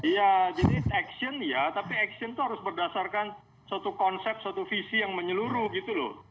ya jadi action ya tapi action itu harus berdasarkan suatu konsep suatu visi yang menyeluruh gitu loh